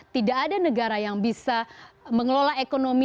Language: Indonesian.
tidak ada negara yang bisa mengelola ekonomi